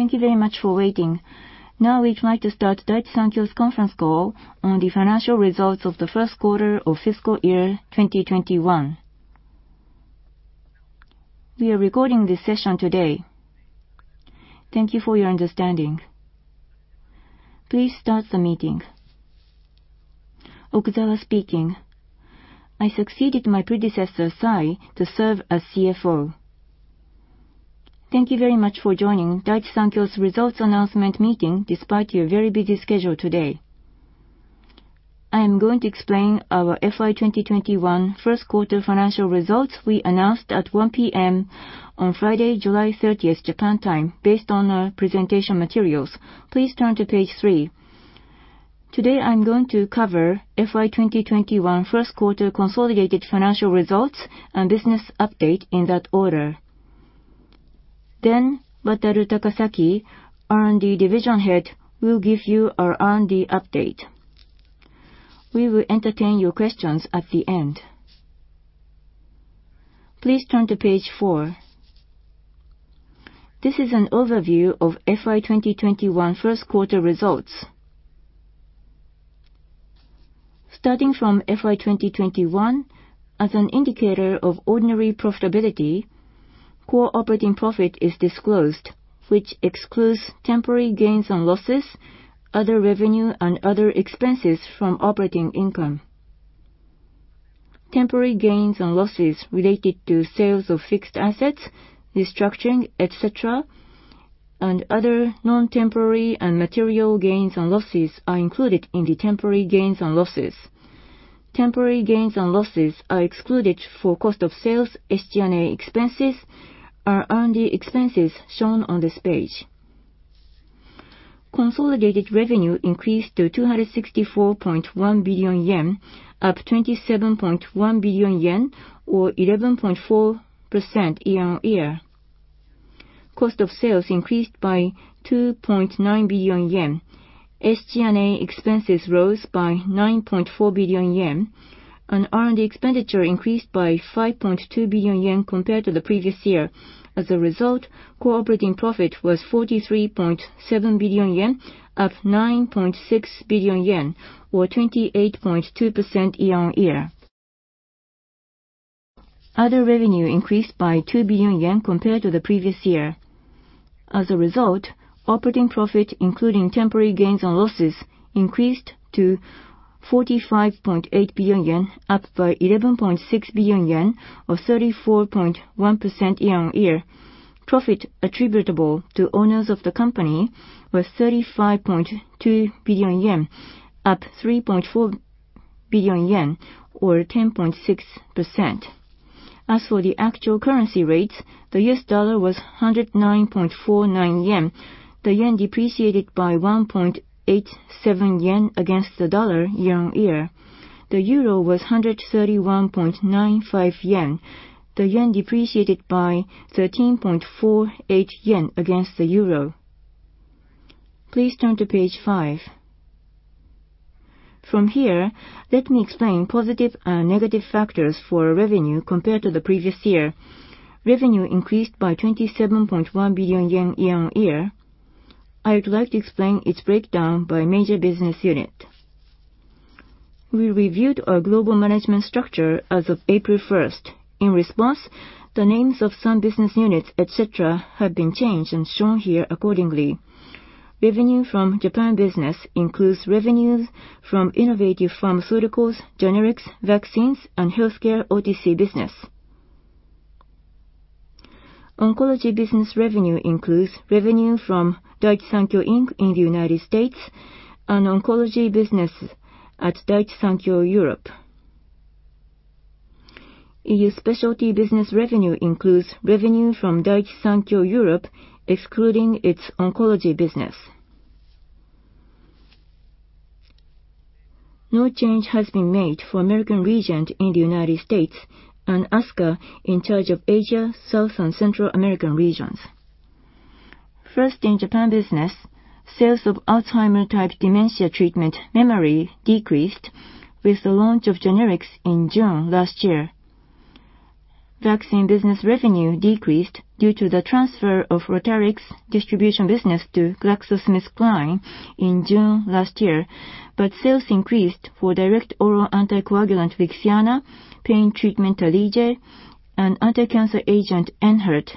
Thank you very much for waiting. We'd like to start Daiichi Sankyo's conference call on the financial results of the first quarter of fiscal year 2021. We are recording this session today. Thank you for your understanding. Please start the meeting. Okuzawa speaking. I succeeded my predecessor, Sai, to serve as CFO. Thank you very much for joining Daiichi Sankyo's results announcement meeting, despite your very busy schedule today. I am going to explain our FY 2021 first quarter financial results we announced at 1:00 P.M. on Friday, July 30th, Japan time, based on our presentation materials. Please turn to page three. Today I'm going to cover FY 2021 first quarter consolidated financial results and business update in that order. Wataru Takasaki, R&D Division Head, will give you our R&D update. We will entertain your questions at the end. Please turn to page four. This is an overview of FY 2021 first quarter results. Starting from FY 2021, as an indicator of ordinary profitability, core operating profit is disclosed, which excludes temporary gains and losses, other revenue, and other expenses from operating income. Temporary gains and losses related to sales of fixed assets, restructuring, et cetera, and other non-temporary and material gains and losses are included in the temporary gains and losses. Temporary gains and losses are excluded for cost of sales, SG&A expenses, our R&D expenses shown on this page. Consolidated revenue increased to 264.1 billion yen, up 27.1 billion yen or 11.4% year-on-year. Cost of sales increased by 2.9 billion yen, SG&A expenses rose by 9.4 billion yen, and R&D expenditure increased by 5.2 billion yen compared to the previous year. As a result, core operating profit was 43.7 billion yen, up 9.6 billion yen or 28.2% year-on-year. Other revenue increased by 2 billion yen compared to the previous year. As a result, operating profit including temporary gains and losses increased to 45.8 billion yen, up by 11.6 billion yen or 34.1% year-on-year. Profit attributable to owners of the company was 35.2 billion yen, up 3.4 billion yen or 10.6%. As for the actual currency rates, the U.S. dollar was 109.49 yen. The yen depreciated by 1.87 yen against the dollar year-on-year. The euro was 131.95 yen. The yen depreciated by 13.48 yen against the euro. Please turn to page five. From here, let me explain positive and negative factors for revenue compared to the previous year. Revenue increased by 27.1 billion yen year-on-year. I would like to explain its breakdown by major business unit. We reviewed our global management structure as of April 1st. In response, the names of some business units, et cetera, have been changed and shown here accordingly. Revenue from Japan business includes revenues from innovative pharmaceuticals, generics, vaccines, and healthcare OTC business. Oncology Business revenue includes revenue from Daiichi Sankyo, Inc. in the United States and Oncology Business at Daiichi Sankyo Europe. E.U. Specialty Business revenue includes revenue from Daiichi Sankyo Europe, excluding its Oncology Business. No change has been made for American Regent in the United States and ASCA in charge of Asia, South and Central American regions. First, in Japan Business, sales of Alzheimer-type dementia treatment, Memary, decreased with the launch of generics in June last year. Vaccine Business revenue decreased due to the transfer of Rotarix distribution business to GlaxoSmithKline in June last year, sales increased for direct oral anticoagulant Lixiana, pain treatment, Tarlige, and anticancer agent ENHERTU.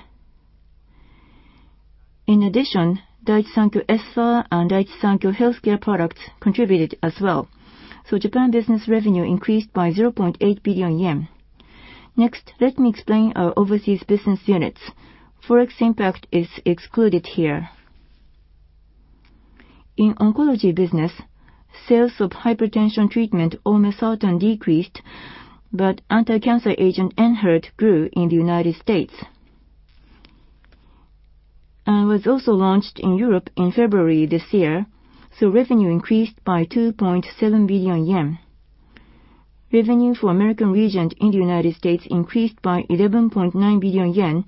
In addition, Daiichi Sankyo Espha and Daiichi Sankyo Healthcare products contributed as well. Japan Business revenue increased by 0.8 billion yen. Next, let me explain our overseas business units. Forex impact is excluded here. In oncology business, sales of hypertension treatment, olmesartan, decreased. Anticancer agent ENHERTU grew in the United States. ENHERTU was also launched in Europe in February this year. Revenue increased by 2.7 billion yen. Revenue for American Regent in the United States increased by 11.9 billion yen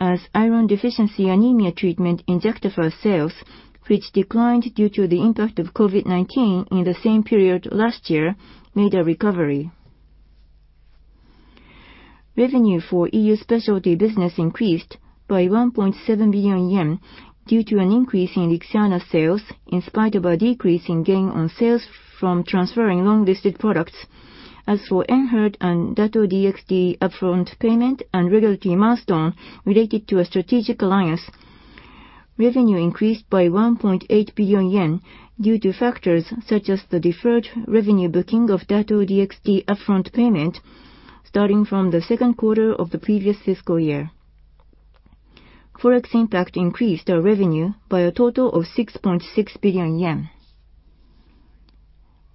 as iron deficiency anemia treatment, Injectafer sales, which declined due to the impact of COVID-19 in the same period last year, made a recovery. Revenue for E.U. specialty business increased by 1.7 billion yen due to an increase in Lixiana sales in spite of a decrease in gain on sales from transferring long-listed products. As for ENHERTU and Dato-DXd upfront payment and regulatory milestone related to a strategic alliance, revenue increased by 1.8 billion yen due to factors such as the deferred revenue booking of Dato-DXd upfront payment starting from the second quarter of the previous fiscal year. Forex impact increased our revenue by a total of 6.6 billion yen.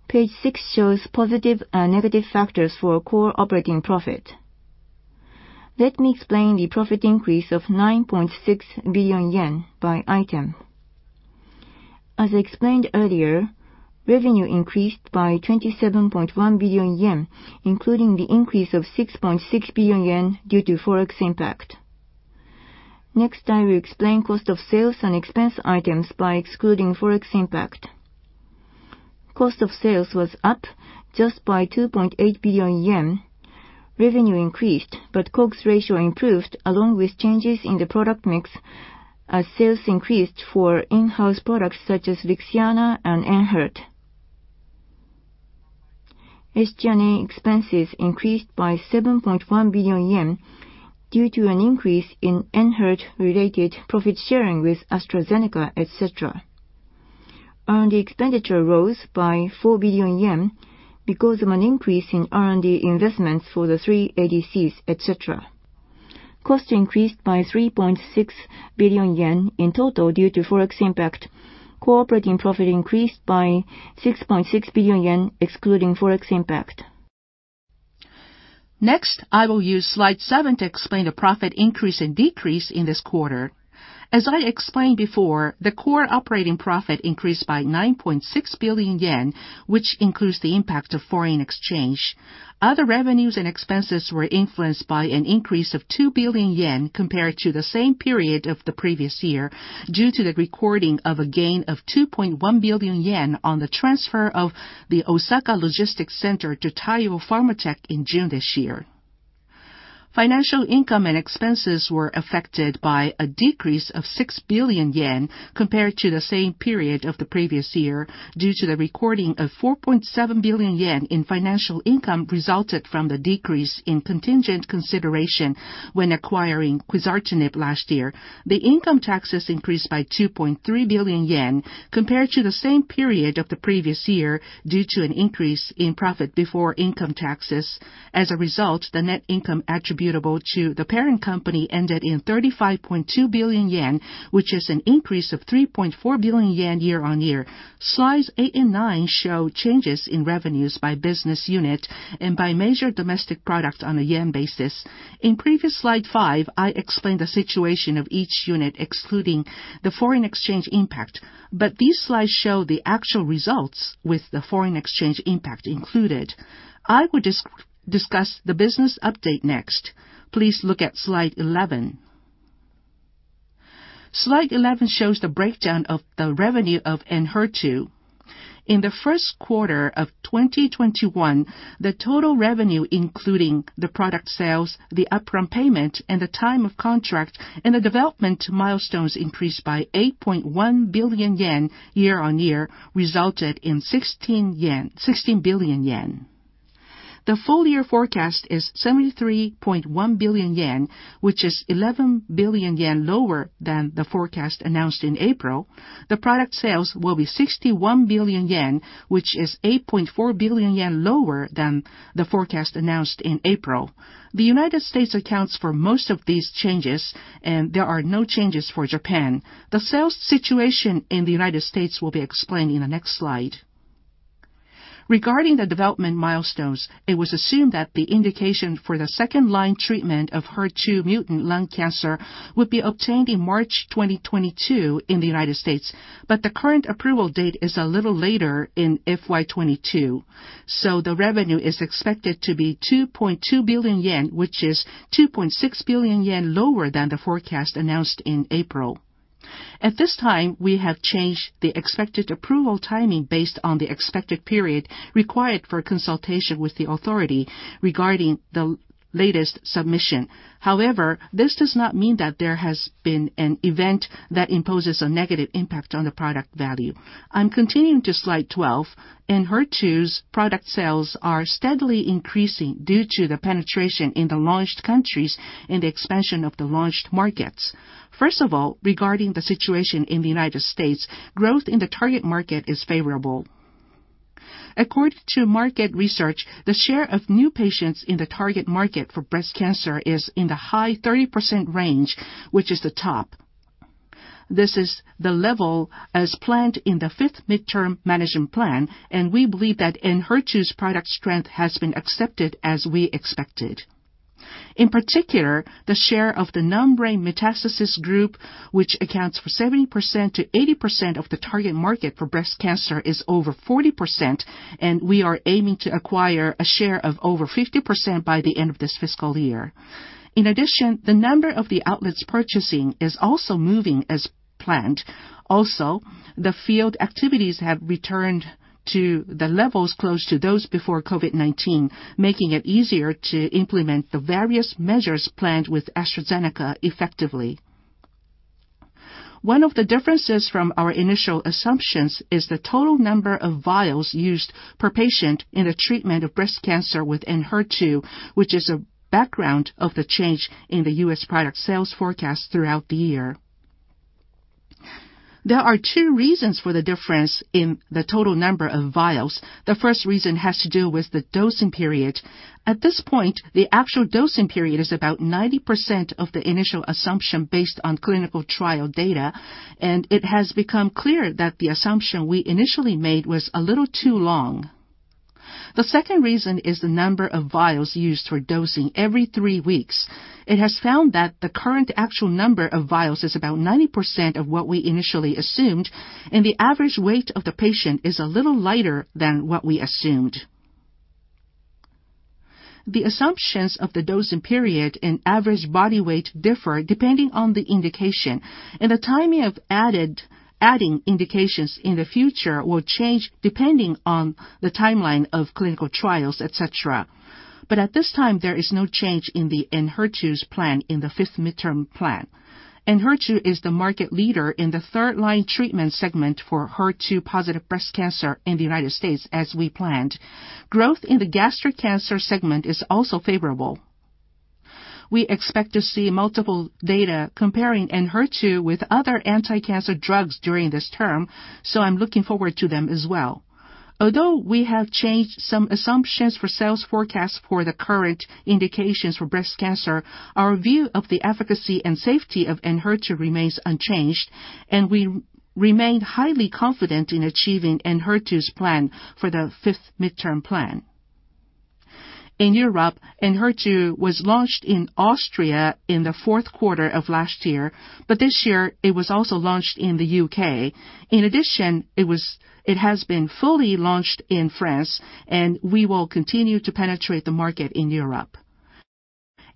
Page six shows positive and negative factors for core operating profit. Let me explain the profit increase of 9.6 billion yen by item. As explained earlier, revenue increased by 27.1 billion yen, including the increase of 6.6 billion yen due to Forex impact. I will explain cost of sales and expense items by excluding Forex impact. Cost of sales was up just by 2.8 billion yen. Revenue increased, but COGS ratio improved along with changes in the product mix as sales increased for in-house products such as Lixiana and ENHERTU. SG&A expenses increased by 7.1 billion yen due to an increase in ENHERTU-related profit sharing with AstraZeneca, et cetera. R&D expenditure rose by 4 billion yen because of an increase in R&D investments for the three ADCs, et cetera. Cost increased by 3.6 billion yen in total due to Forex impact. Core profit increased by 6.6 billion yen excluding Forex impact. Next, I will use slide seven to explain the profit increase and decrease in this quarter. As I explained before, the core operating profit increased by 9.6 billion yen, which includes the impact of foreign exchange. Other revenues and expenses were influenced by an increase of 2 billion yen compared to the same period of the previous year, due to the recording of a gain of 2.1 billion yen on the transfer of the Osaka Logistics Center to Taiyo Pharma Tech in June this year. Financial income and expenses were affected by a decrease of 6 billion yen compared to the same period of the previous year due to the recording of 4.7 billion yen in financial income resulted from the decrease in contingent consideration when acquiring quizartinib last year. The income taxes increased by 2.3 billion yen compared to the same period of the previous year due to an increase in profit before income taxes. As a result, the net income attributable to the parent company ended in 35.2 billion yen, which is an increase of 3.4 billion yen year-on-year. Slides eight and nine show changes in revenues by business unit and by major domestic products on a yen basis. In previous slide five, I explained the situation of each unit excluding the foreign exchange impact. These slides show the actual results with the foreign exchange impact included. I will discuss the business update next. Please look at slide 11. Slide 11 shows the breakdown of the revenue of ENHERTU. In the first quarter of 2021, the total revenue including the product sales, the upfront payment, and the time of contract and the development milestones increased by 8.1 billion yen year-on-year resulted in 16 billion yen. The full year forecast is 73.1 billion yen, which is 11 billion yen lower than the forecast announced in April. The product sales will be 61 billion yen, which is 8.4 billion yen lower than the forecast announced in April. The United States accounts for most of these changes and there are no changes for Japan. The sales situation in the United States will be explained in the next slide. Regarding the development milestones, it was assumed that the indication for the second line treatment of HER2 mutant lung cancer would be obtained in March 2022 in the United States. The current approval date is a little later in FY 2022, so the revenue is expected to be 2.2 billion yen, which is 2.6 billion yen lower than the forecast announced in April. At this time, we have changed the expected approval timing based on the expected period required for consultation with the authority regarding the latest submission. However, this does not mean that there has been an event that imposes a negative impact on the product value. I'm continuing to slide 12. ENHERTU's product sales are steadily increasing due to the penetration in the launched countries and the expansion of the launched markets. First of all, regarding the situation in the United States, growth in the target market is favorable. According to market research, the share of new patients in the target market for breast cancer is in the high 30% range, which is the top. This is the level as planned in the fifth midterm management plan, and we believe that ENHERTU's product strength has been accepted as we expected. In particular, the share of the non-brain metastasis group, which accounts for 70%-80% of the target market for breast cancer is over 40%, and we are aiming to acquire a share of over 50% by the end of this fiscal year. In addition, the number of the outlets purchasing is also moving as planned. The field activities have returned to the levels close to those before COVID-19, making it easier to implement the various measures planned with AstraZeneca effectively. One of the differences from our initial assumptions is the total number of vials used per patient in the treatment of breast cancer with ENHERTU, which is a background of the change in the U.S. product sales forecast throughout the year. There are two reasons for the difference in the total number of vials. The first reason has to do with the dosing period. At this point, the actual dosing period is about 90% of the initial assumption based on clinical trial data, and it has become clear that the assumption we initially made was a little too long. The second reason is the number of vials used for dosing every three weeks. It has found that the current actual number of vials is about 90% of what we initially assumed, and the average weight of the patient is a little lighter than what we assumed. The assumptions of the dosing period and average body weight differ depending on the indication, and the timing of adding indications in the future will change depending on the timeline of clinical trials, et cetera. At this time, there is no change in the ENHERTU's plan in the Fifth Midterm Plan. ENHERTU is the market leader in the third line treatment segment for HER2 positive breast cancer in the United States. as we planned. Growth in the gastric cancer segment is also favorable. We expect to see multiple data comparing ENHERTU with other anticancer drugs during this term. I'm looking forward to them as well. Although we have changed some assumptions for sales forecast for the current indications for breast cancer, our view of the efficacy and safety of ENHERTU remains unchanged, and we remain highly confident in achieving ENHERTU's plan for the Fifth Midterm Plan. In Europe, ENHERTU was launched in Austria in the fourth quarter of last year. This year it was also launched in the U.K. In addition, it has been fully launched in France, and we will continue to penetrate the market in Europe.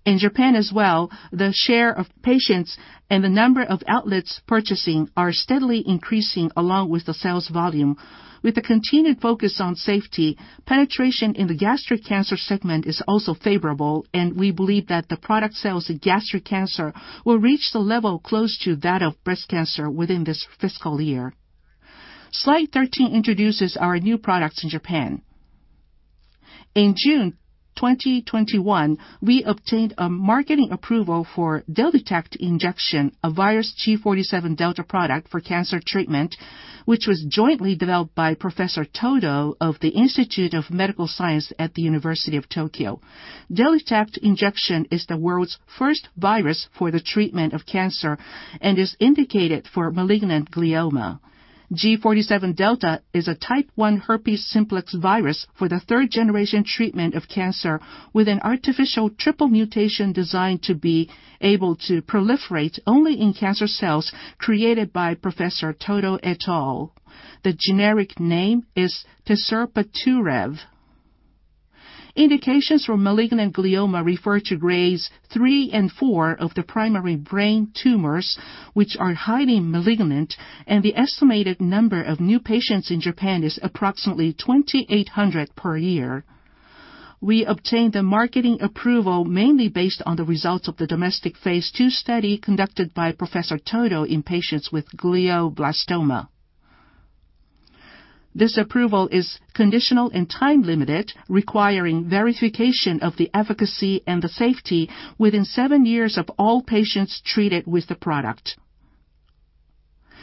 In Japan as well, the share of patients and the number of outlets purchasing are steadily increasing along with the sales volume. With the continued focus on safety, penetration in the gastric cancer segment is also favorable, and we believe that the product sales in gastric cancer will reach the level close to that of breast cancer within this fiscal year. Slide 13 introduces our new products in Japan. In June 2021, we obtained a marketing approval for DELYTACT Injection, a virus G47Δ product for cancer treatment, which was jointly developed by Professor Todo of The Institute of Medical Science, The University of Tokyo. DELYTACT Injection is the world's first virus for the treatment of cancer and is indicated for malignant glioma. G47Δ is a type 1 herpes simplex virus for the third-generation treatment of cancer with an artificial triple mutation designed to be able to proliferate only in cancer cells created by Professor Todo et al. The generic name is teserpaturev. Indications for malignant glioma refer to grades 3 and 4 of the primary brain tumors, which are highly malignant, and the estimated number of new patients in Japan is approximately 2,800 per year. We obtained the marketing approval mainly based on the results of the domestic phase II study conducted by Professor Todo in patients with glioblastoma. This approval is conditional and time-limited, requiring verification of the efficacy and the safety within seven years of all patients treated with the product.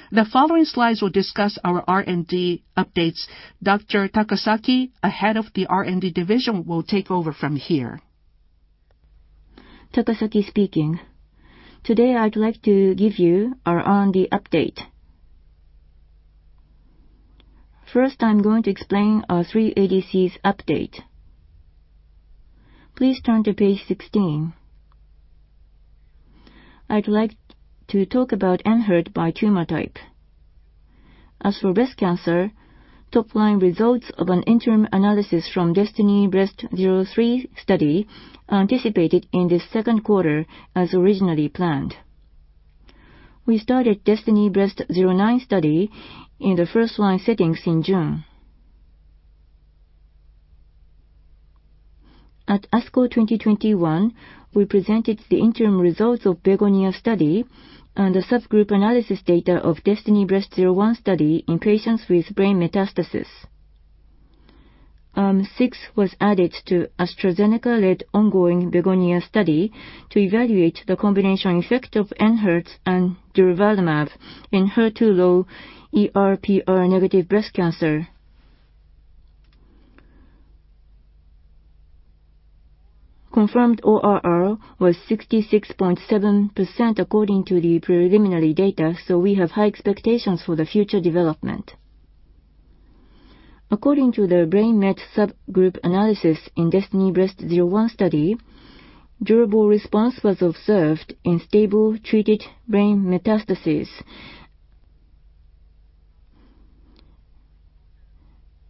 The following slides will discuss our R&D updates. Dr. Takasaki, Head of the R&D Division, will take over from here. Takasaki speaking. Today, I'd like to give you our R&D update. First, I'm going to explain our three ADCs update. Please turn to page 16. I'd like to talk about ENHERTU by tumor type. As for breast cancer, top-line results of an interim analysis from DESTINY-Breast03 study are anticipated in the second quarter as originally planned. We started DESTINY-Breast09 study in the first-line settings in June. At ASCO 2021, we presented the interim results of BEGONIA study and the subgroup analysis data of DESTINY-Breast01 study in patients with brain metastasis. Arm 6 was added to AstraZeneca-led ongoing BEGONIA study to evaluate the combination effect of ENHERTU and durvalumab in HER2-low, ER/PR negative breast cancer. Confirmed ORR was 66.7% according to the preliminary data. We have high expectations for the future development. According to the brain met subgroup analysis in DESTINY-Breast01 study, durable response was observed in stable treated brain metastases.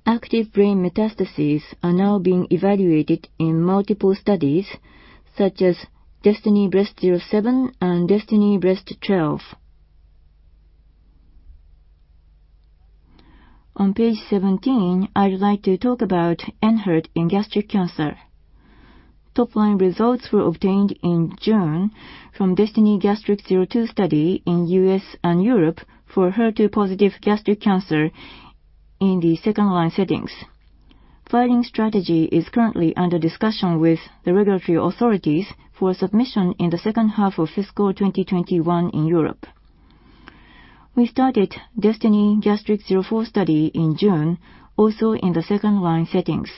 Active brain metastases are now being evaluated in multiple studies such as DESTINY-Breast07 and DESTINY-Breast12. On page 17, I'd like to talk about ENHERTU in gastric cancer. Top line results were obtained in June from DESTINY-Gastric02 study in U.S. and Europe for HER2-positive gastric cancer in the second-line settings. Filing strategy is currently under discussion with the regulatory authorities for submission in the second half of fiscal 2021 in Europe. We started DESTINY-Gastric04 study in June, also in the second-line settings.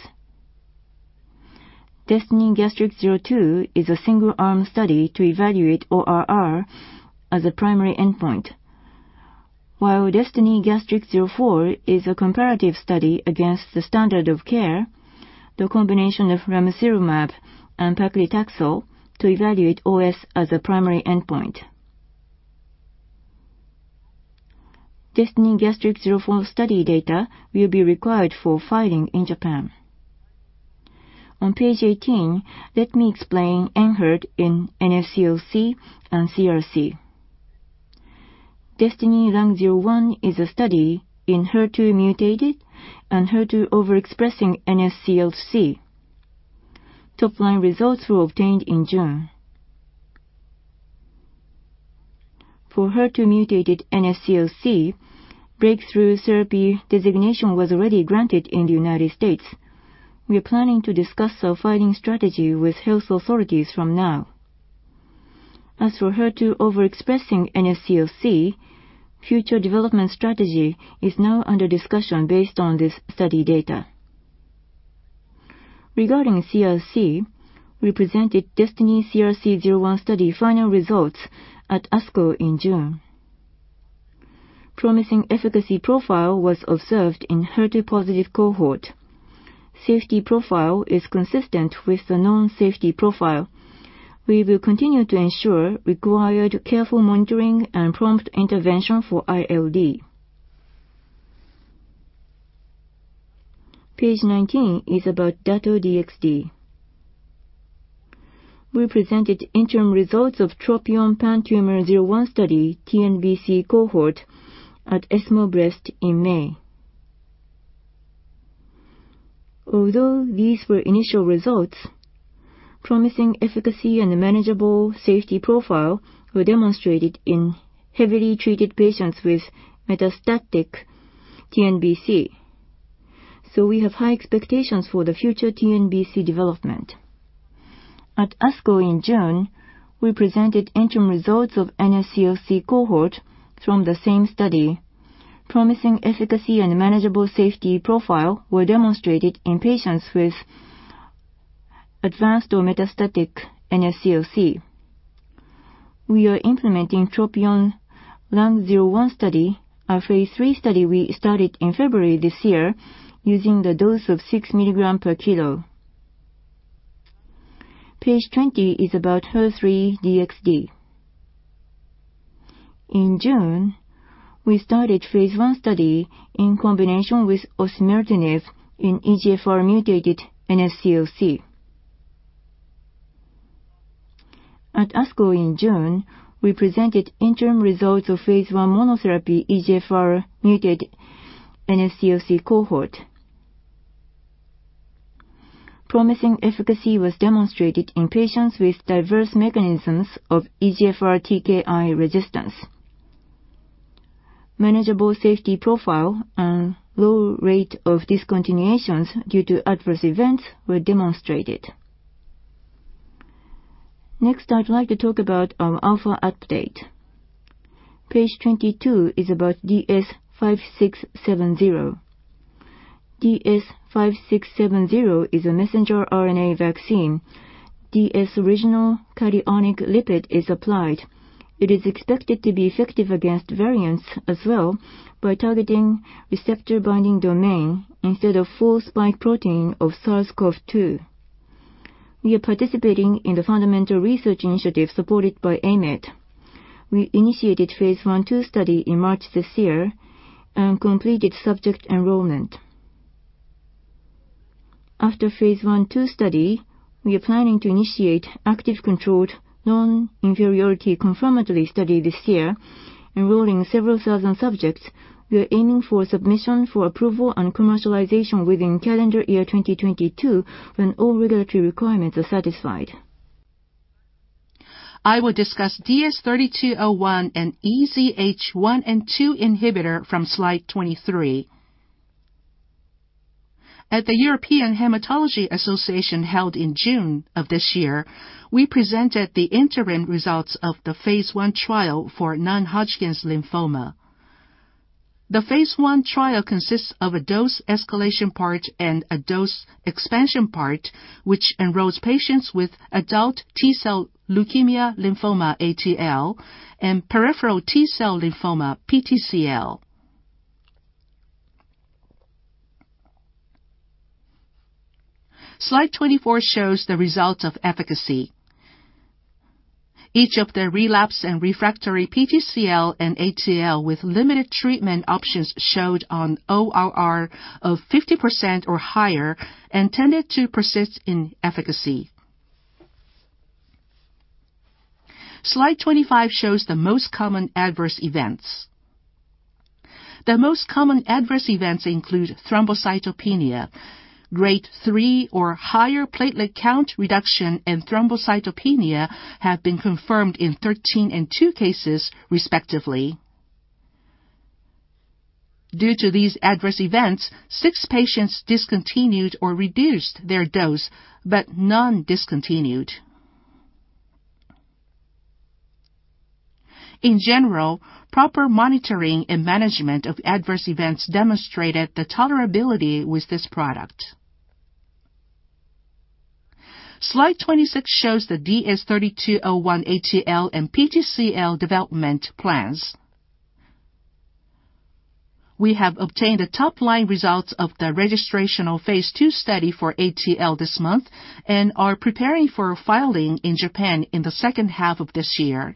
DESTINY-Gastric02 is a single-arm study to evaluate ORR as a primary endpoint. While DESTINY-Gastric04 is a comparative study against the standard of care, the combination of ramucirumab and paclitaxel to evaluate OS as a primary endpoint. DESTINY-Gastric04 study data will be required for filing in Japan. On page 18, let me explain ENHERTU in NSCLC and CRC. DESTINY-Lung01 is a study in HER2-mutated and HER2 overexpressing NSCLC. Top-line results were obtained in June. For HER2-mutated NSCLC, breakthrough therapy designation was already granted in the United States. We are planning to discuss our filing strategy with health authorities from now. As for HER2 overexpressing NSCLC, future development strategy is now under discussion based on this study data. Regarding CRC, we presented DESTINY-CRC01 study final results at ASCO in June. Promising efficacy profile was observed in HER2-positive cohort. Safety profile is consistent with the known safety profile. We will continue to ensure required careful monitoring and prompt intervention for ILD. Page 19 is about Dato-DXd. We presented interim results of TROPION-PanTumor01 study TNBC cohort at ESMO Breast in May. These were initial results, promising efficacy and manageable safety profile were demonstrated in heavily treated patients with metastatic TNBC. We have high expectations for the future TNBC development. At ASCO in June, we presented interim results of NSCLC cohort from the same study. Promising efficacy and manageable safety profile were demonstrated in patients with advanced or metastatic NSCLC. We are implementing TROPION-Lung01 study, our phase III study we started in February this year using the dose of 6 mg/k. Page 20 is about HER3-DXd. In June, we started phase I study in combination with osimertinib in EGFR mutated NSCLC. At ASCO in June, we presented interim results of phase I monotherapy EGFR mutated NSCLC cohort. Promising efficacy was demonstrated in patients with diverse mechanisms of EGFR TKI resistance. Manageable safety profile and low rate of discontinuations due to adverse events were demonstrated. I'd like to talk about our alpha update. Page 22 is about DS-5670. DS-5670 is a messenger RNA vaccine. DS regional cationic lipid is applied. It is expected to be effective against variants as well by targeting receptor-binding domain instead of full spike protein of SARS-CoV-2. We are participating in the fundamental research initiative supported by AMED. We initiated phase I/II study in March this year and completed subject enrollment. After phase I/II study, we are planning to initiate active controlled non-inferiority confirmatory study this year, enrolling several thousand subjects. We are aiming for submission for approval and commercialization within calendar year 2022 when all regulatory requirements are satisfied. I will discuss DS-3201, an EZH1 and 2 inhibitor from slide 23. At the European Hematology Association held in June of this year, we presented the interim results of the phase I trial for non-Hodgkin's lymphoma. The phase I trial consists of a dose escalation part and a dose expansion part, which enrolls patients with adult T-cell leukemia lymphoma, ATL, and peripheral T-cell lymphoma, PTCL. Slide 24 shows the results of efficacy. Each of the relapse and refractory PTCL and ATL with limited treatment options showed an ORR of 50% or higher and tended to persist in efficacy. Slide 25 shows the most common adverse events. The most common adverse events include thrombocytopenia, grade 3 or higher platelet count reduction, and thrombocytopenia have been confirmed in 13 and two cases respectively. Due to these adverse events, six patients discontinued or reduced their dose, but none discontinued. In general, proper monitoring and management of adverse events demonstrated the tolerability with this product. Slide 26 shows the DS-3201 ATL and PTCL development plans. We have obtained the top-line results of the registrational phase II study for ATL this month and are preparing for filing in Japan in the second half of this year.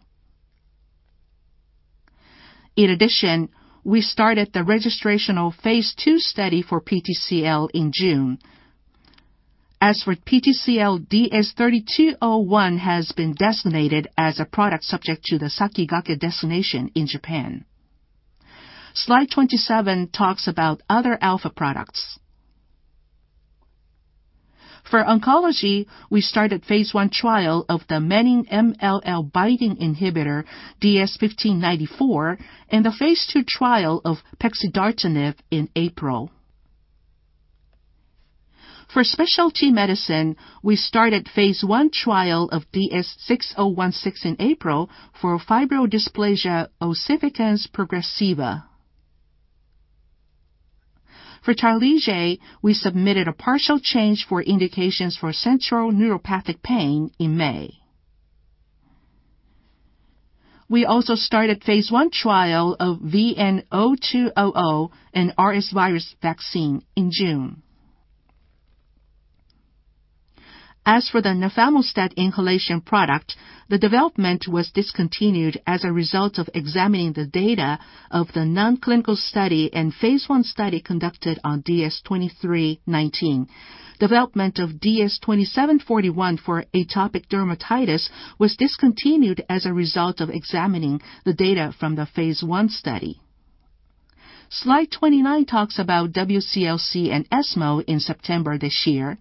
In addition, we started the registrational phase II study for PTCL in June. As for PTCL, DS-3201 has been designated as a product subject to the Sakigake Designation in Japan. Slide 27 talks about other alpha products. For oncology, we started phase I trial of the menin-MLL binding inhibitor DS-1594 and the phase II trial of pexidartinib in April. For specialty medicine, we started phase I trial of DS-6016 in April for fibrodysplasia ossificans progressiva. For Tarlige, we submitted a partial change for indications for central neuropathic pain in May. We also started phase I trial of VN0200, an RS virus vaccine, in June. As for the nafamostat inhalation product, the development was discontinued as a result of examining the data of the non-clinical study and phase I study conducted on DS-2319. Development of DS-2741 for atopic dermatitis was discontinued as a result of examining the data from the phase I study. Slide 29 talks about WCLC and ESMO in September this year.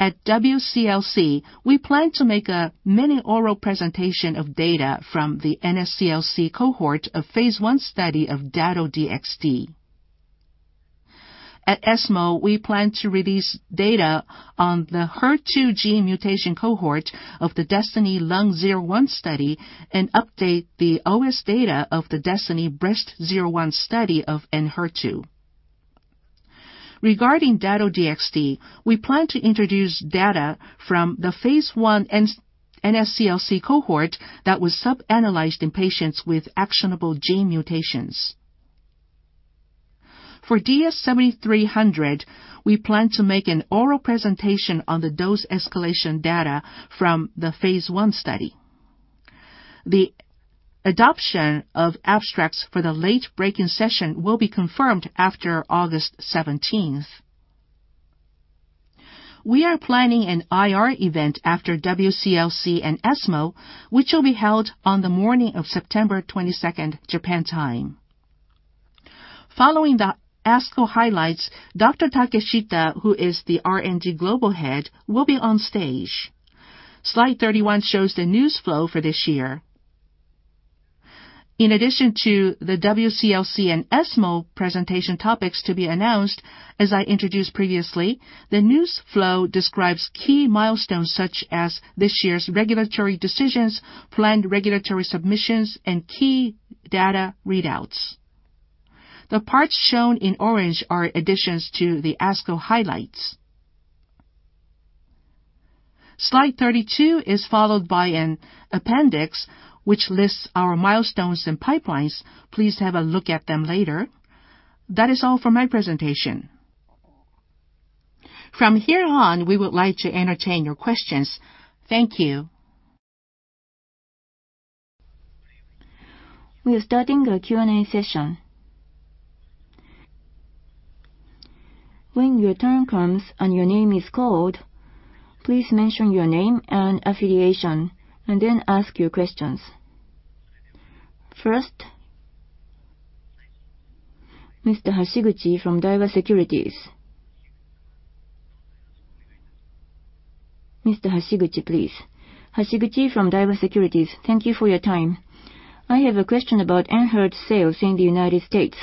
At WCLC, we plan to make a mini oral presentation of data from the NSCLC cohort of phase I study of Dato-DXd. At ESMO, we plan to release data on the HER2 gene mutation cohort of the DESTINY-Lung01 study and update the OS data of the DESTINY-Breast01 study of ENHERTU. Regarding Dato-DXd, we plan to introduce data from the phase I NSCLC cohort that was subanalyzed in patients with actionable gene mutations. For DS-7300, we plan to make an oral presentation on the dose escalation data from the phase I study. The adoption of abstracts for the late-breaking session will be confirmed after August 17th. We are planning an IR event after WCLC and ESMO, which will be held on the morning of September 22nd, Japan time. Following the ASCO highlights, Dr. Takeshita, who is the R&D global head, will be on stage. Slide 31 shows the news flow for this year. In addition to the WCLC and ESMO presentation topics to be announced, as I introduced previously, the news flow describes key milestones such as this year's regulatory decisions, planned regulatory submissions, and key data readouts. The parts shown in orange are additions to the ASCO highlights. Slide 32 is followed by an appendix which lists our milestones and pipelines. Please have a look at them later. That is all for my presentation. From here on, we would like to entertain your questions. Thank you. We are starting a Q&A session. When your turn comes and your name is called, please mention your name and affiliation and then ask your questions. First, Mr. Hashiguchi from Daiwa Securities. Mr. Hashiguchi, please. Hashiguchi from Daiwa Securities. Thank you for your time. I have a question about ENHERTU sales in the United States.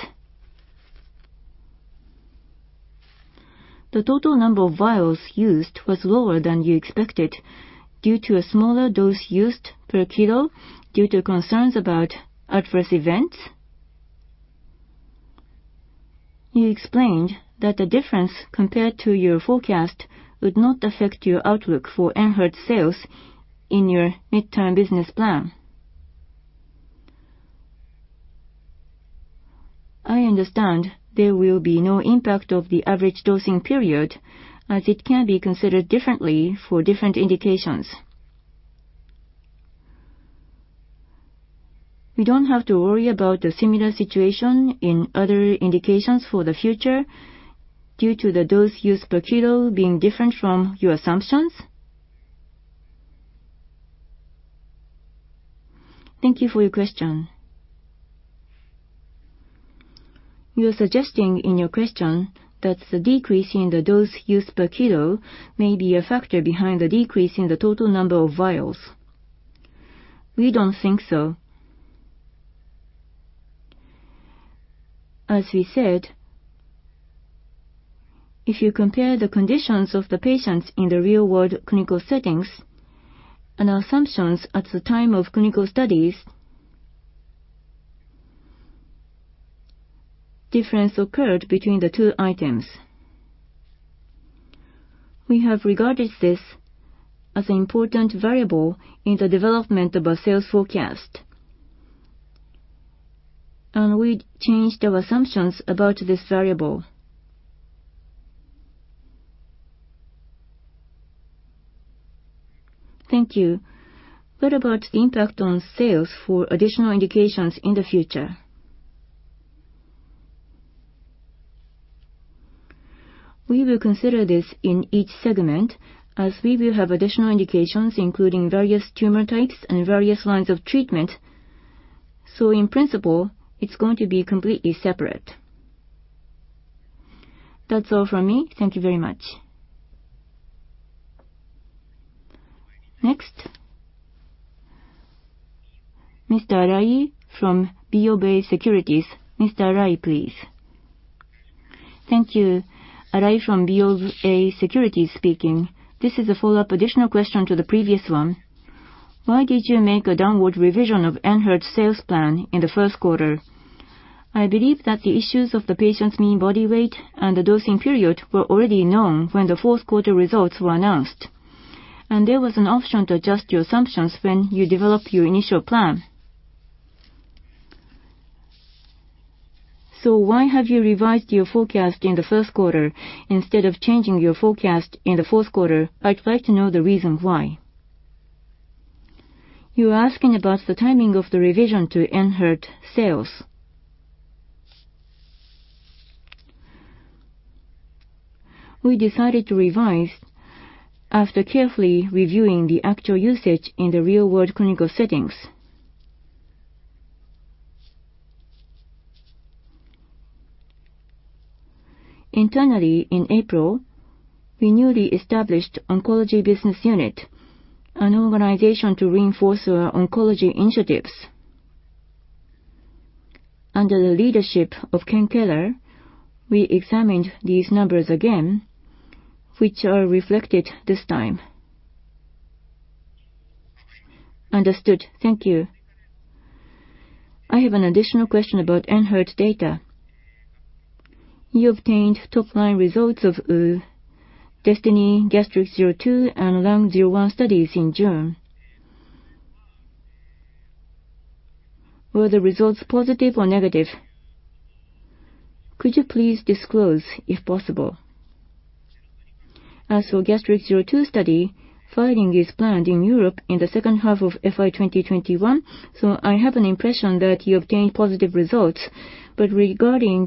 The total number of vials used was lower than you expected due to a smaller dose used per kilo due to concerns about adverse events. You explained that the difference compared to your forecast would not affect your outlook for ENHERTU sales in your midterm business plan. I understand there will be no impact of the average dosing period, as it can be considered differently for different indications. We don't have to worry about the similar situation in other indications for the future due to the dose used per kilo being different from your assumptions? Thank you for your question. You're suggesting in your question that the decrease in the dose used per kilo may be a factor behind the decrease in the total number of vials. We don't think so. As we said, if you compare the conditions of the patients in the real world clinical settings and our assumptions at the time of clinical studies, difference occurred between the two items. We have regarded this as an important variable in the development of our sales forecast. We changed our assumptions about this variable. Thank you. What about the impact on sales for additional indications in the future? We will consider this in each segment as we will have additional indications, including various tumor types and various lines of treatment. In principle, it's going to be completely separate. That's all from me. Thank you very much. Next. Mr. Arai from BofA Securities. Mr. Arai, please. Thank you. Arai from BofA Securities speaking. This is a follow-up additional question to the previous one. Why did you make a downward revision of ENHERTU's sales plan in the first quarter? I believe that the issues of the patients' mean body weight and the dosing period were already known when the fourth quarter results were announced, and there was an option to adjust your assumptions when you developed your initial plan. Why have you revised your forecast in the first quarter instead of changing your forecast in the fourth quarter? I'd like to know the reason why. You're asking about the timing of the revision to ENHERTU sales. We decided to revise after carefully reviewing the actual usage in the real-world clinical settings. Internally, in April, we newly established Oncology Business Unit, an organization to reinforce our oncology initiatives. Under the leadership of Ken Keller, we examined these numbers again, which are reflected this time. Understood. Thank you. I have an additional question about ENHERTU data. You obtained top-line results of DESTINY-Gastric02 and Lung01 studies in June. Were the results positive or negative? Could you please disclose, if possible? As for DESTINY-Gastric02 study, filing is planned in Europe in the second half of FY 2021, so I have an impression that you obtained positive results. Regarding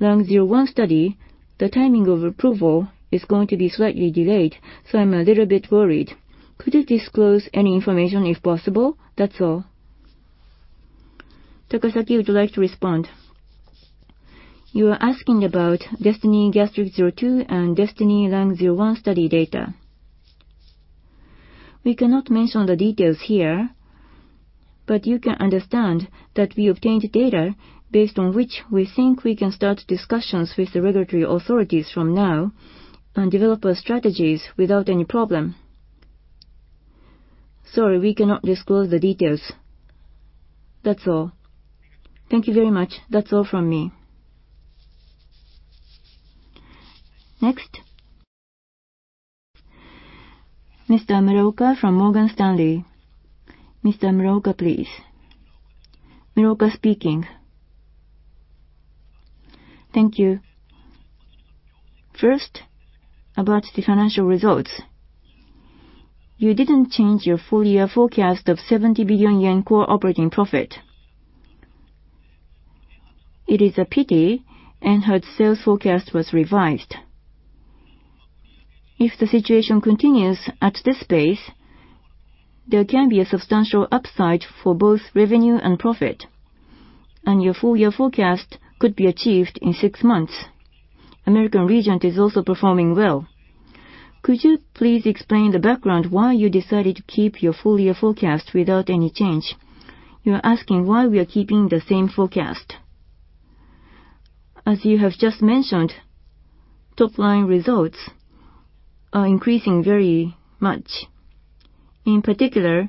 DESTINY-Lung01 study, the timing of approval is going to be slightly delayed, so I'm a little bit worried. Could you disclose any information if possible? That's all. Takasaki, would you like to respond? You are asking about DESTINY-Gastric02 and DESTINY-Lung01 study data. We cannot mention the details here, but you can understand that we obtained data based on which we think we can start discussions with the regulatory authorities from now and develop our strategies without any problem. Sorry, we cannot disclose the details. That's all. Thank you very much. That's all from me. Next. Mr. Muraoka from Morgan Stanley. Mr. Muraoka, please. Muraoka speaking. Thank you. First, about the financial results. You didn't change your full-year forecast of 70 billion yen core operating profit. It is a pity ENHERTU's sales forecast was revised. If the situation continues at this pace, there can be a substantial upside for both revenue and profit, and your full-year forecast could be achieved in six months. American Regent is also performing well. Could you please explain the background why you decided to keep your full-year forecast without any change? You are asking why we are keeping the same forecast. As you have just mentioned, top-line results are increasing very much. In particular,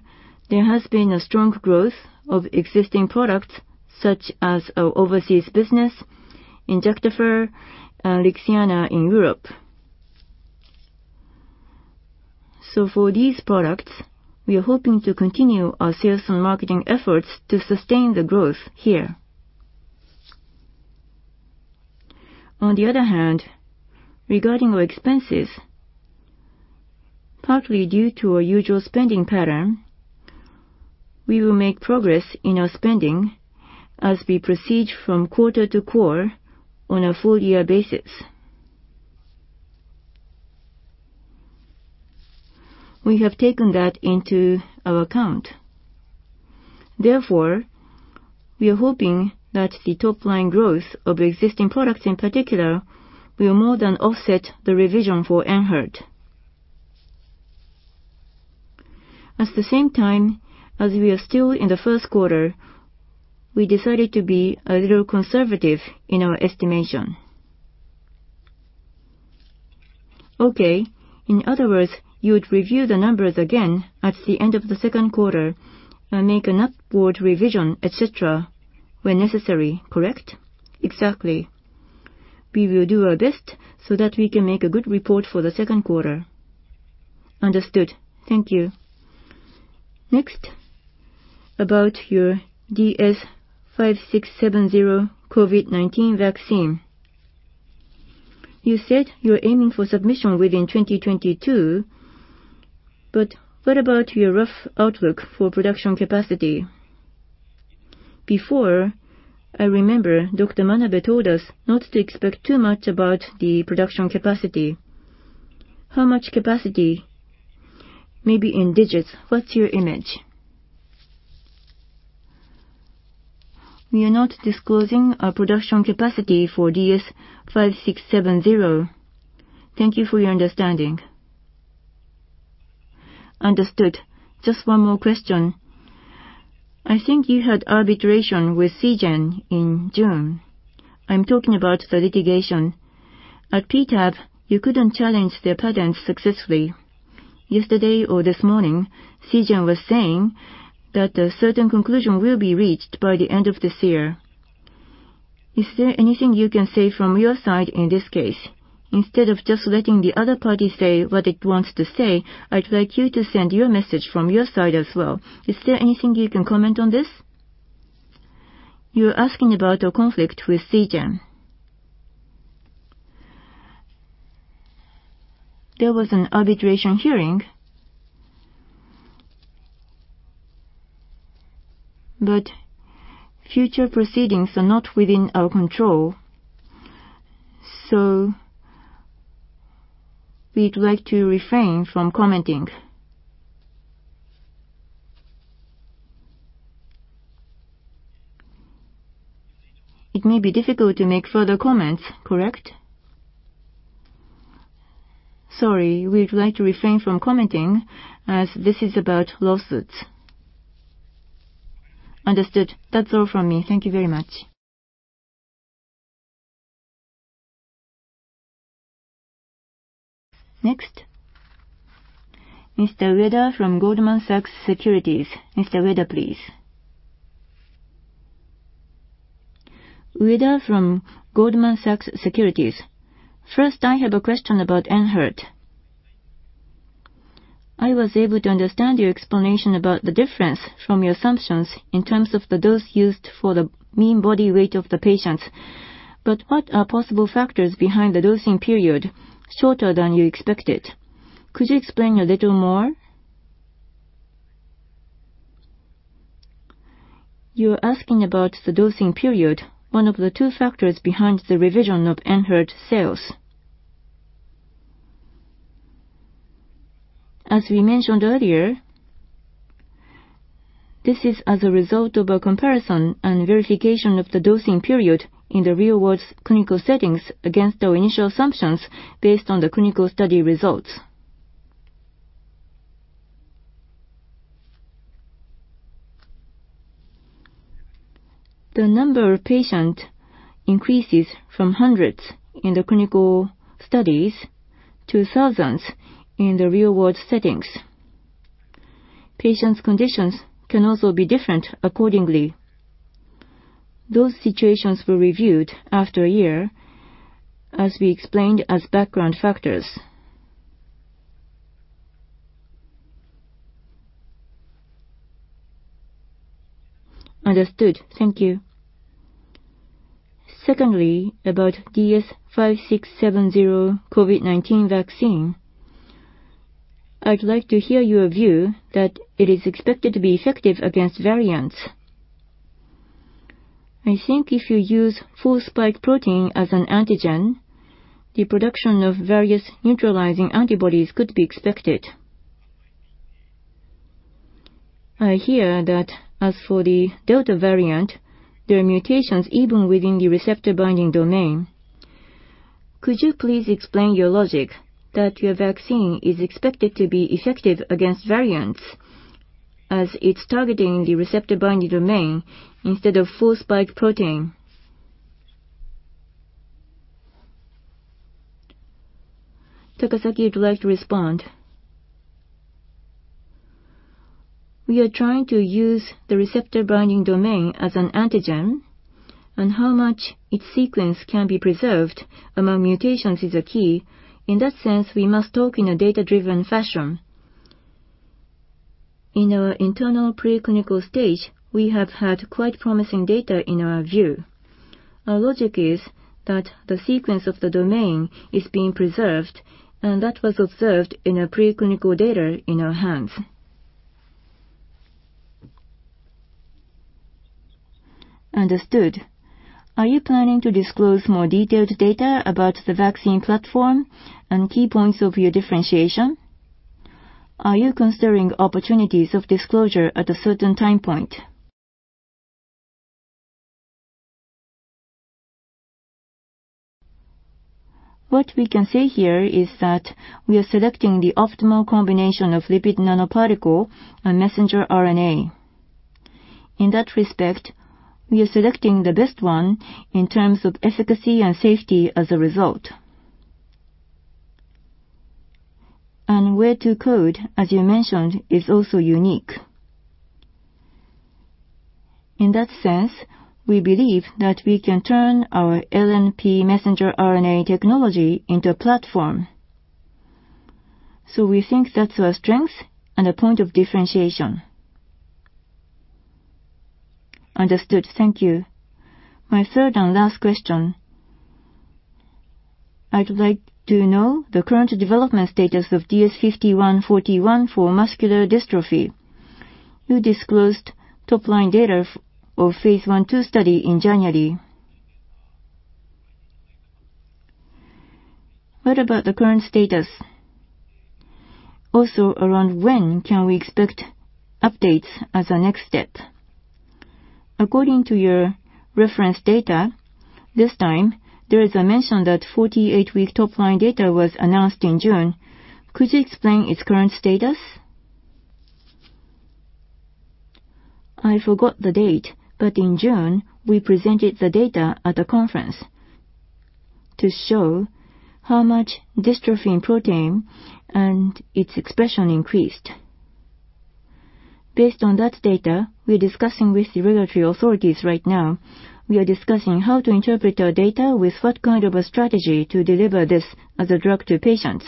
there has been a strong growth of existing products such as our overseas business, Injectafer, and Alexion in Europe. For these products, we are hoping to continue our sales and marketing efforts to sustain the growth here. On the other hand, regarding our expenses, partly due to our usual spending pattern, we will make progress in our spending as we proceed from quarter-to-quarter on a full year basis. We have taken that into our account. We are hoping that the top-line growth of existing products in particular will more than offset the revision for ENHERTU. At the same time, as we are still in the first quarter, we decided to be a little conservative in our estimation. Okay. In other words, you would review the numbers again at the end of the second quarter and make an upward revision, et cetera, when necessary, correct? Exactly. We will do our best so that we can make a good report for the second quarter. Understood. Thank you. Next, about your DS-5670 COVID-19 vaccine. You said you're aiming for submission within 2022, but what about your rough outlook for production capacity? Before, I remember Dr. Manabe told us not to expect too much about the production capacity. How much capacity, maybe in digits, what's your image? We are not disclosing our production capacity for DS-5670. Thank you for your understanding. Understood. Just one more question. I think you had arbitration with Seagen in June. I'm talking about the litigation. At PTAB, you couldn't challenge their patents successfully. Yesterday or this morning, Seagen was saying that a certain conclusion will be reached by the end of this year. Is there anything you can say from your side in this case? Instead of just letting the other party say what it wants to say, I'd like you to send your message from your side as well. Is there anything you can comment on this? You're asking about our conflict with Seagen. There was an arbitration hearing, but future proceedings are not within our control, so we'd like to refrain from commenting. It may be difficult to make further comments, correct? Sorry. We would like to refrain from commenting, as this is about lawsuits. Understood. That's all from me. Thank you very much. Next. Mr. Ueda from Goldman Sachs Securities. Mr. Ueda, please. Ueda from Goldman Sachs Securities. First, I have a question about ENHERTU. I was able to understand your explanation about the difference from your assumptions in terms of the dose used for the mean body weight of the patients. What are possible factors behind the dosing period shorter than you expected? Could you explain a little more? You're asking about the dosing period, one of the two factors behind the revision of ENHERTU sales. As we mentioned earlier, this is as a result of a comparison and verification of the dosing period in the real world's clinical settings against our initial assumptions based on the clinical study results. The number of patient increases from hundreds in the clinical studies to thousands in the real world settings. Patients' conditions can also be different accordingly. Those situations were reviewed after a year, as we explained as background factors. Understood. Thank you. Secondly, about DS-5670 COVID-19 vaccine, I'd like to hear your view that it is expected to be effective against variants. I think if you use full spike protein as an antigen, the production of various neutralizing antibodies could be expected. I hear that as for the delta variant, there are mutations even within the receptor-binding domain. Could you please explain your logic that your vaccine is expected to be effective against variants, as it's targeting the receptor-binding domain instead of full spike protein? Takasaki would like to respond. We are trying to use the receptor-binding domain as an antigen, and how much its sequence can be preserved among mutations is a key. In that sense, we must talk in a data-driven fashion. In our internal preclinical stage, we have had quite promising data in our view. Our logic is that the sequence of the domain is being preserved, and that was observed in our preclinical data in our hands. Understood. Are you planning to disclose more detailed data about the vaccine platform and key points of your differentiation? Are you considering opportunities of disclosure at a certain time point? What we can say here is that we are selecting the optimal combination of lipid nanoparticle and messenger RNA. In that respect, we are selecting the best one in terms of efficacy and safety as a result. Where to code, as you mentioned, is also unique. In that sense, we believe that we can turn our LNP messenger RNA technology into a platform. We think that's our strength and a point of differentiation. Understood. Thank you. My third and last question. I'd like to know the current development status of DS-5141 for muscular dystrophy. You disclosed top-line data of phase I-B/II study in January. What about the current status? Around when can we expect updates as a next step? According to your reference data this time, there is a mention that 48-week top-line data was announced in June. Could you explain its current status? I forgot the date, in June, we presented the data at a conference to show how much dystrophin protein and its expression increased. Based on that data, we're discussing with the regulatory authorities right now. We are discussing how to interpret our data with what kind of a strategy to deliver this as a drug to patients.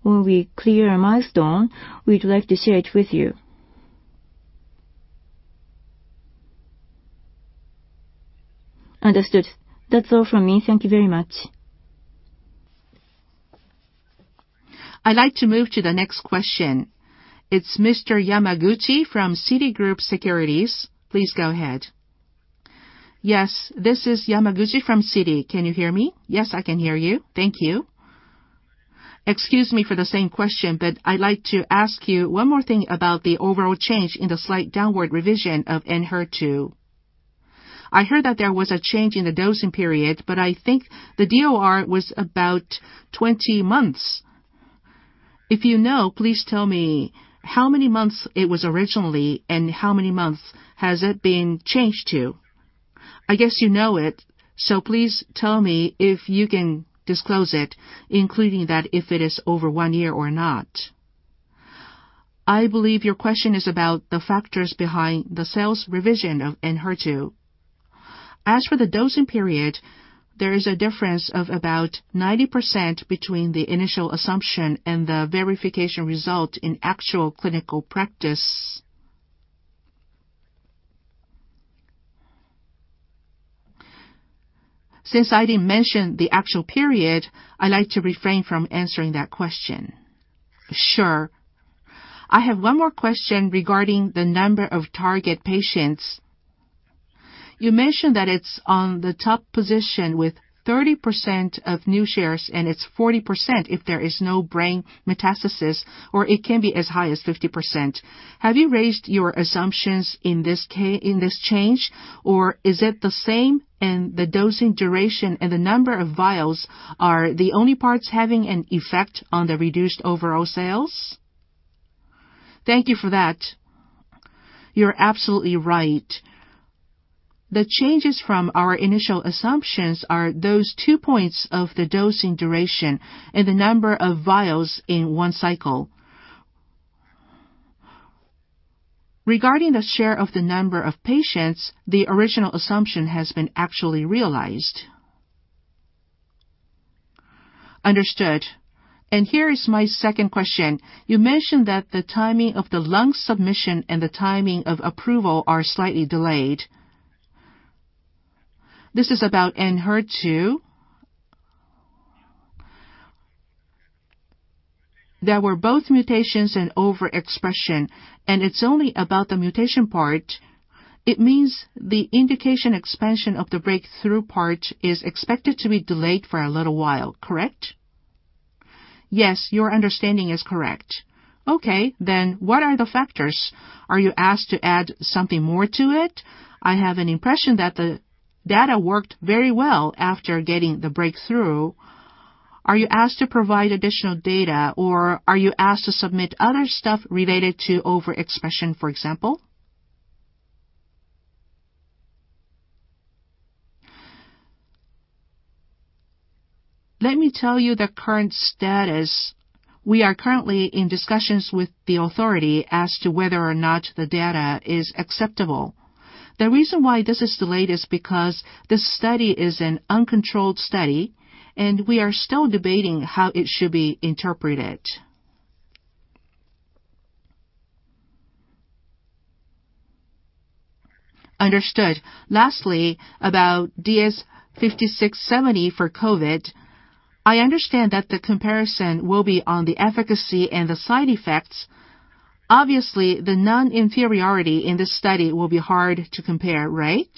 When we clear a milestone, we'd like to share it with you. Understood. That's all from me. Thank you very much. I'd like to move to the next question. It's Mr. Yamaguchi from Citigroup Securities. Please go ahead. Yes, this is Yamaguchi from Citi. Can you hear me? Yes, I can hear you. Thank you. Excuse me for the same question, but I'd like to ask you one more thing about the overall change in the slight downward revision of ENHERTU. I heard that there was a change in the dosing period, but I think the DOR was about 20 months. If you know, please tell me how many months it was originally, and how many months has it been changed to? I guess you know it, so please tell me if you can disclose it, including that if it is over one year or not. I believe your question is about the factors behind the sales revision of ENHERTU. As for the dosing period, there is a difference of about 90% between the initial assumption and the verification result in actual clinical practice. Since I didn't mention the actual period, I'd like to refrain from answering that question. Sure. I have one more question regarding the number of target patients. You mentioned that it's on the top position with 30% of new shares. It's 40% if there is no brain metastasis. It can be as high as 50%. Have you raised your assumptions in this change, or is it the same and the dosing duration and the number of vials are the only parts having an effect on the reduced overall sales? Thank you for that. You're absolutely right. The changes from our initial assumptions are those two points of the dosing duration and the number of vials in one cycle. Regarding the share of the number of patients, the original assumption has been actually realized. Understood. Here is my second question. You mentioned that the timing of the lung submission and the timing of approval are slightly delayed. This is about ENHERTU. There were both mutations and overexpression, and it's only about the mutation part. It means the indication expansion of the breakthrough part is expected to be delayed for a little while, correct? Yes, your understanding is correct. What are the factors? Are you asked to add something more to it? I have an impression that the data worked very well after getting the breakthrough. Are you asked to provide additional data, or are you asked to submit other stuff related to overexpression, for example? Let me tell you the current status. We are currently in discussions with the authority as to whether or not the data is acceptable. The reason why this is delayed is because this study is an uncontrolled study, and we are still debating how it should be interpreted. Understood. Lastly, about DS-5670 for COVID. I understand that the comparison will be on the efficacy and the side effects. Obviously, the non-inferiority in this study will be hard to compare, right?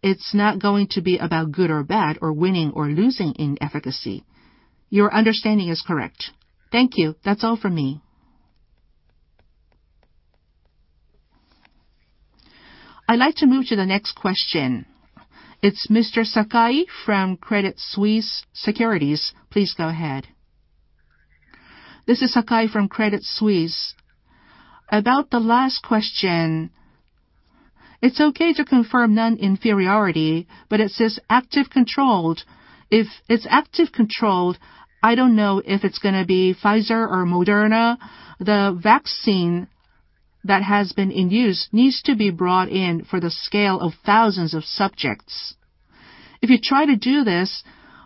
It's not going to be about good or bad, or winning or losing in efficacy. Your understanding is correct. Thank you. That's all from me. I'd like to move to the next question. It's Mr. Sakai from Credit Suisse Securities. Please go ahead. This is Sakai from Credit Suisse. About the last question, it's okay to confirm non-inferiority, but it says active controlled. If it's active controlled, I don't know if it's going to be Pfizer or Moderna. The vaccine that has been in use needs to be brought in for the scale of thousands of subjects. If you try to do this,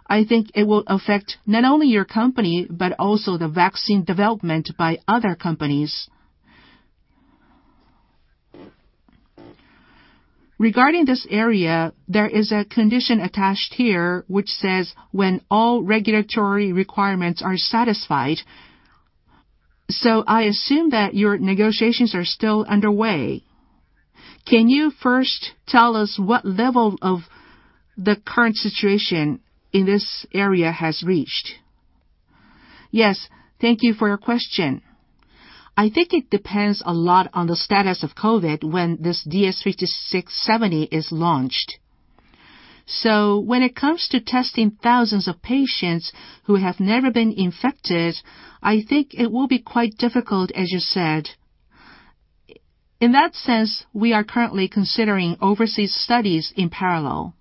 I think it will affect not only your company, but also the vaccine development by other companies. Regarding this area, there is a condition attached here, which says, "When all regulatory requirements are satisfied." I assume that your negotiations are still underway. Can you first tell us what level of the current situation in this area has reached? Yes. Thank you for your question. I think it depends a lot on the status of COVID when this DS-5670 is launched. When it comes to testing thousands of patients who have never been infected, I think it will be quite difficult, as you said. In that sense, we are currently considering overseas studies in parallel.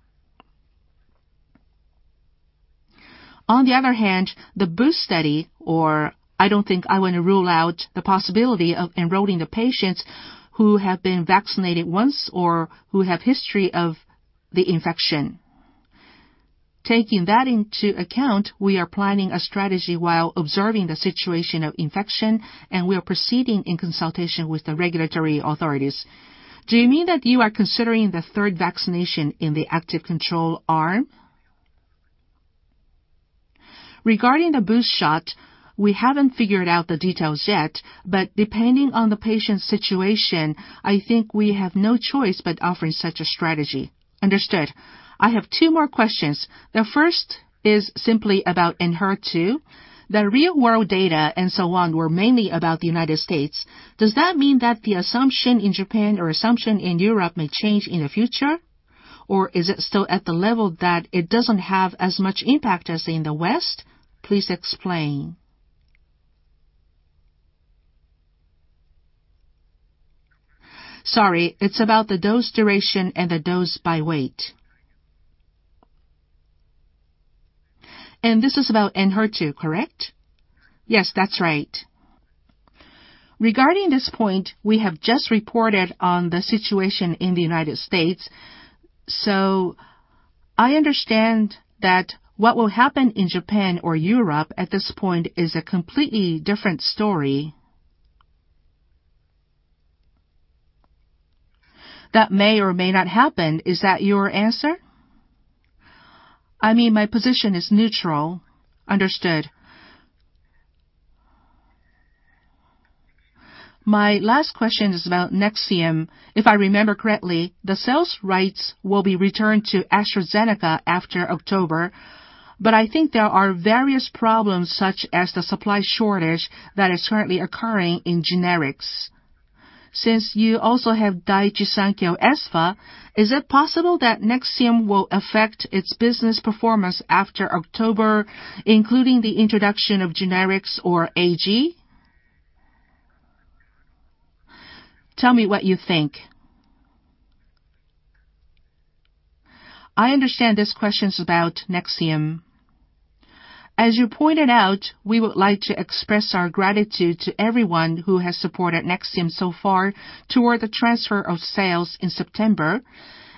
I don't think I want to rule out the possibility of enrolling the patients who have been vaccinated once or who have history of the infection. Taking that into account, we are planning a strategy while observing the situation of infection, and we are proceeding in consultation with the regulatory authorities. Do you mean that you are considering the third vaccination in the active control arm? Regarding the boost shot, we haven't figured out the details yet. Depending on the patient's situation, I think we have no choice but offering such a strategy. Understood. I have two more questions. The first is simply about ENHERTU. The real world data and so on were mainly about the United States. Does that mean that the assumption in Japan or assumption in Europe may change in the future? Is it still at the level that it doesn't have as much impact as in the West? Please explain. Sorry, it's about the dose duration and the dose by weight. This is about ENHERTU, correct? Yes, that's right. Regarding this point, we have just reported on the situation in the U.S. I understand that what will happen in Japan or Europe at this point is a completely different story. That may or may not happen. Is that your answer? I mean, my position is neutral. Understood. My last question is about Nexium. If I remember correctly, the sales rights will be returned to AstraZeneca after October, but I think there are various problems such as the supply shortage that is currently occurring in generics. Since you also have Daiichi Sankyo Espha, is it possible that Nexium will affect its business performance after October, including the introduction of generics or AG? Tell me what you think. I understand this question's about Nexium. As you pointed out, we would like to express our gratitude to everyone who has supported Nexium so far toward the transfer of sales in September,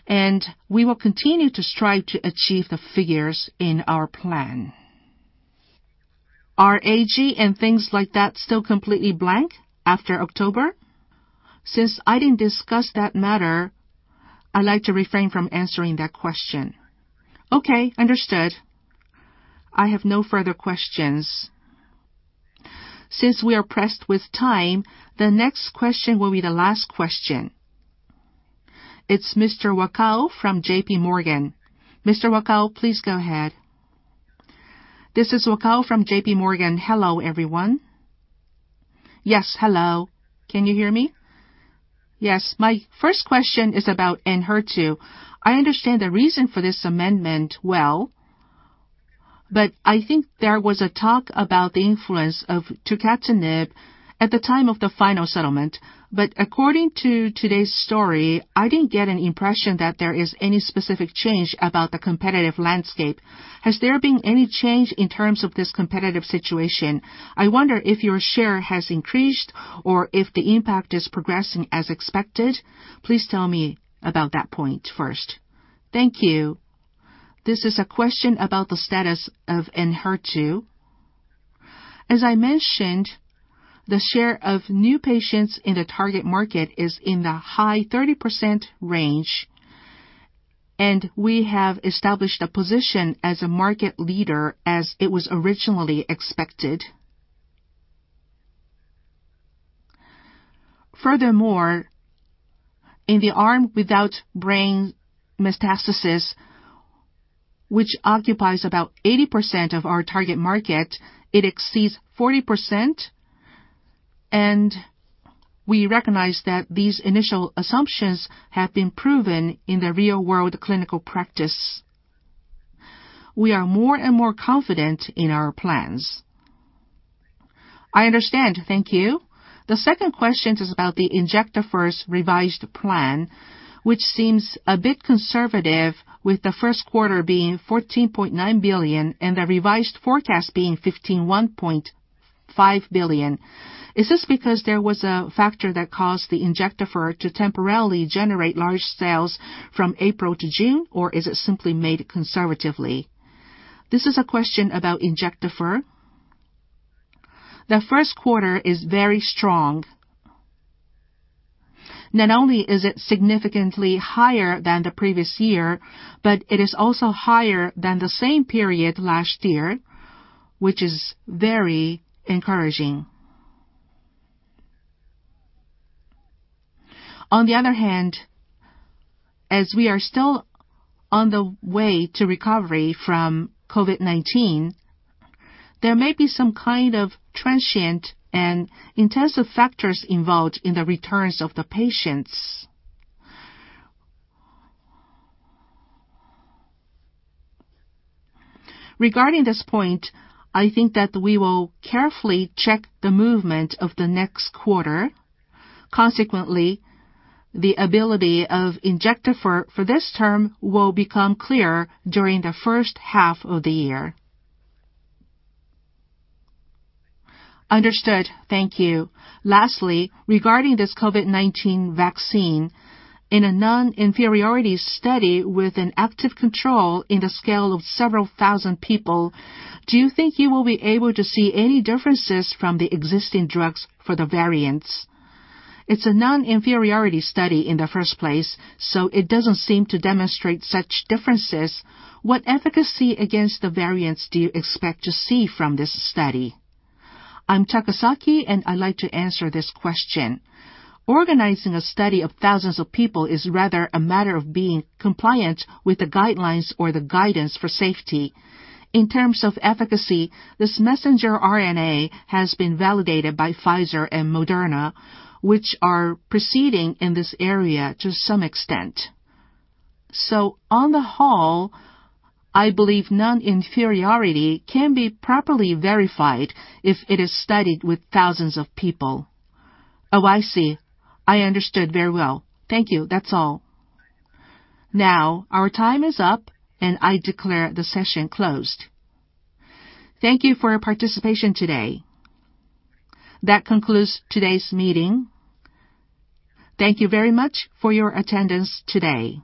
and we will continue to strive to achieve the figures in our plan. Are AG and things like that still completely blank after October? Since I didn't discuss that matter, I'd like to refrain from answering that question. Okay, understood. I have no further questions. Since we are pressed with time, the next question will be the last question. It's Mr. Wakao from JPMorgan. Mr. Wakao, please go ahead. This is Wakao from JPMorgan. Hello, everyone. Yes, hello. Can you hear me? Yes. My first question is about ENHERTU. I understand the reason for this amendment well. I think there was a talk about the influence of tucatinib at the time of the final settlement. According to today's story, I didn't get an impression that there is any specific change about the competitive landscape. Has there been any change in terms of this competitive situation? I wonder if your share has increased or if the impact is progressing as expected. Please tell me about that point first. Thank you. This is a question about the status of ENHERTU. As I mentioned, the share of new patients in the target market is in the high 30% range, and we have established a position as a market leader, as it was originally expected. Furthermore, in the arm without brain metastasis, which occupies about 80% of our target market, it exceeds 40%, and we recognize that these initial assumptions have been proven in the real-world clinical practice. We are more and more confident in our plans. I understand. Thank you. The second question is about the Injectafer revised plan, which seems a bit conservative with the first quarter being 14.9 billion and the revised forecast being 15.5 billion. Is this because there was a factor that caused the Injectafer to temporarily generate large sales from April to June? Is it simply made conservatively? This is a question about Injectafer. The first quarter is very strong. Not only is it significantly higher than the previous year, but it is also higher than the same period last year, which is very encouraging. On the other hand, as we are still on the way to recovery from COVID-19, there may be some kind of transient and intensive factors involved in the returns of the patients. Regarding this point, I think that we will carefully check the movement of the next quarter. Consequently, the ability of Injectafer for this term will become clearer during the first half of the year. Understood. Thank you. Lastly, regarding this COVID-19 vaccine, in a non-inferiority study with an active control in the scale of several thousand people, do you think you will be able to see any differences from the existing drugs for the variants? It's a non-inferiority study in the first place, it doesn't seem to demonstrate such differences. What efficacy against the variants do you expect to see from this study? I'm Takasaki, I'd like to answer this question. Organizing a study of thousands of people is rather a matter of being compliant with the guidelines or the guidance for safety. In terms of efficacy, this messenger RNA has been validated by Pfizer and Moderna, which are proceeding in this area to some extent. On the whole, I believe non-inferiority can be properly verified if it is studied with thousands of people. Oh, I see. I understood very well. Thank you. That's all. Our time is up, and I declare the session closed. Thank you for your participation today. That concludes today's meeting. Thank you very much for your attendance today.